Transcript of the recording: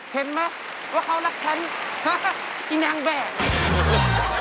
เห็นไหมว่าเขารักฉันอีนางแบบ